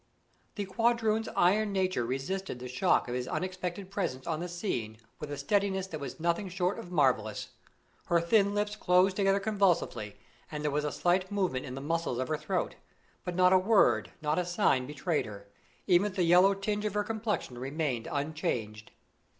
The quadroon's iron nature resisted the shock of his unexpected presence on the scene with a steadiness that was nothing short of marvelous. Her thin lips closed together convulsively, and there was a slight movement in the muscles of her throat. But not a word, not a sign betrayed her. Even the yellow tinge of her complexion remained unchanged.